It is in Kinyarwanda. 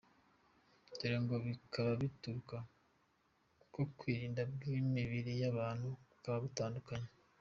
Ibyo ngo bikaba bituruka ku ko ubwirinzi bw’imibiri y’abantu buba butandukanye.